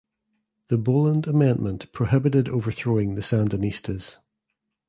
The Boland Amendment prohibited overthrowing the Sandinistas.